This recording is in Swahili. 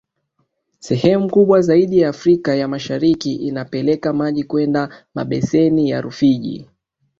Sehemu kubwa zaidi ya Afrika ya Mashariki inapeleka maji kwenda mabeseni ya Rufiji